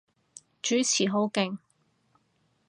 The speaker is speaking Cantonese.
主持好勁